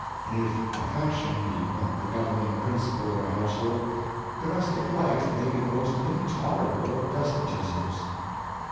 If affection be not the governing principle in a household, domestic life may be the most intolerable of despotisms.